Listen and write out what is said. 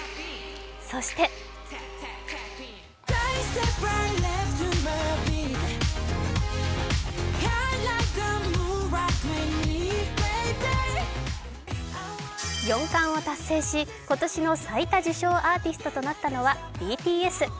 そして４冠を達成し、今年の最多受賞アーティストとなったのはＢＴＳ。